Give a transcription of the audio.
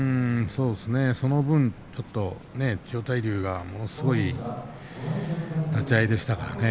その分、千代大龍がものすごい立ち合いでしたからね。